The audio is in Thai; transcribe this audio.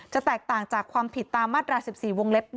แตกต่างจากความผิดตามมาตรา๑๔วงเล็บ๑